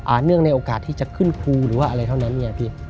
เนื่องในโอกาสที่จะขึ้นครูหรือว่าอะไรเท่านั้นไงพี่